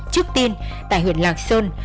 trước tiên tại huyện lạc sơn